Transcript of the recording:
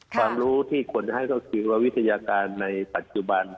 ความรู้ที่ควรจะให้ก็คือว่าวิทยาการในปัจจุบัน